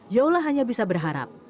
yola hanya bisa berharap